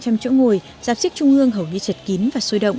với hơn một hai trăm linh chỗ ngồi giáp siếc trung ương hầu như chật kín và xôi động